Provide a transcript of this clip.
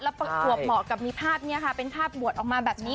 ประจวบเหมาะกับมีภาพนี้ค่ะเป็นภาพบวชออกมาแบบนี้